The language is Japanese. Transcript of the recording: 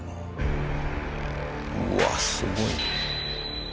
うわすごいな。